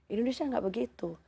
indonesia gak begitu